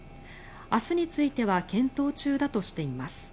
明日については検討中だとしています。